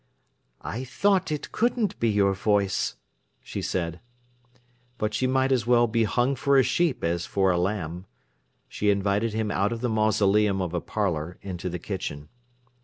"I thought it couldn't be your voice," she said. But she might as well be hung for a sheep as for a lamb. She invited him out of the mausoleum of a parlour into the kitchen.